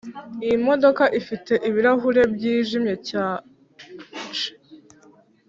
Iyi modoka ifite ibirahure byijimye cyace